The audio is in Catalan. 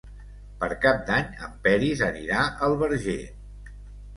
Per Cap d'Any en Peris anirà al Verger.